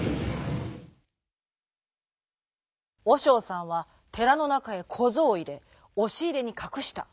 おしょうさんはてらのなかへこぞうをいれおしいれにかくした。